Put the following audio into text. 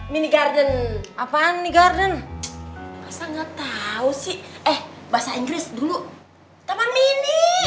mini garden apaan nih garden nggak tahu sih eh bahasa inggris dulu tamamin ini